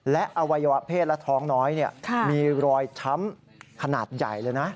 และอวัยวะเพศและท้องน้อยมีรอยช้ำขนาดใหญ่เลยนะ